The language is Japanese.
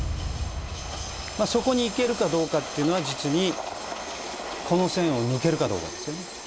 そこに行けるかどうかというのは、実にこの線を抜けるかどうかですよね。